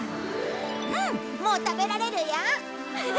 うんもう食べられるよ。